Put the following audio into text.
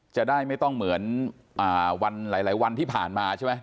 จะได้ไม่ต้องเหมือนวันหลายวันที่ผ่านมาใช่ไหม